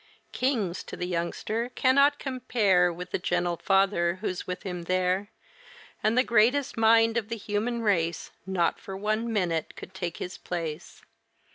Kings, to the youngster, cannot compare With the gentle father who's with him there. And the greatest mind of the human race Not for one minute could take his place.